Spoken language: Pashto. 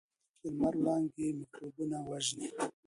د لمر وړانګې میکروبونه وژني.